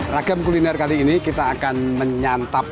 ragam kuliner kali ini kita akan menyantap